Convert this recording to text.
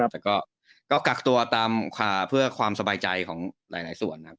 แต่ก็กักตัวเพื่อความสบายใจหลายส่วน